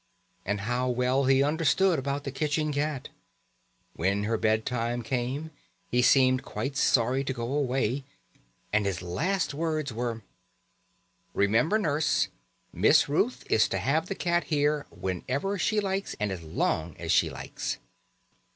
And how well he understood about the kitchen cat! When her bed time came he seemed quite sorry to go away, and his last words were: "Remember, Nurse, Miss Ruth is to have the cat here whenever she likes and as long as she likes."